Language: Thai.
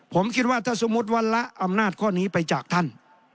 ผมคิดว่าถ้าสมมุติวันละอำนาจข้อนี้ไปจากท่าน